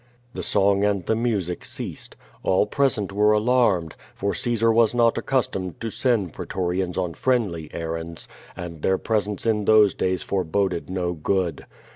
The song and the music ceased. All present were alarmed, for Caesar was not accustomed to send pretorians on friendly errands, and their presence in those days foreboded no good.